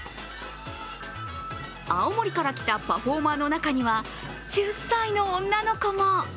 青森から来たパフォーマーの中には、１０歳の女の子も。